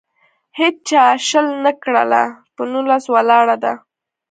هیچا شل نه کړله. په نولس ولاړه ده.